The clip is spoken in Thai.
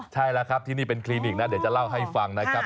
ใช่แล้วครับที่นี่เป็นคลินิกนะเดี๋ยวจะเล่าให้ฟังนะครับ